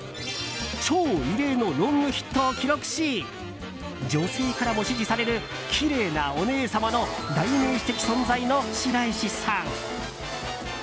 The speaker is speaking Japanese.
超異例のロングヒットを記録し女性からも支持されるきれいなお姉さまの代名詞的存在の白石さん。